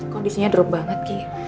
kondisinya drop banget gi